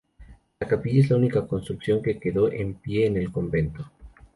La capilla es la única construcción que quedó en pie en el convento.